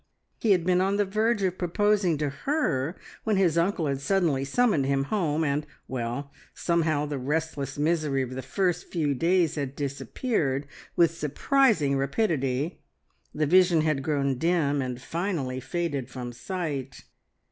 He had been on the verge of proposing to her when his uncle had suddenly summoned him home, and well, somehow the restless misery of the first few days had disappeared with surprising rapidity, the vision had grown dim, and finally faded from sight.